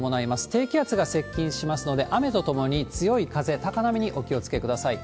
低気圧が接近しますので、雨とともに強い風、高波にお気をつけください。